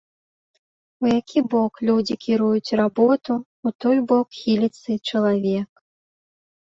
У які бок людзі кіруюць работу, у той бок хіліцца і чалавек.